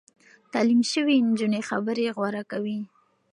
تعليم شوې نجونې خبرې غوره کوي.